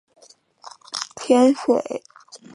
天水小檗为小檗科小檗属下的一个种。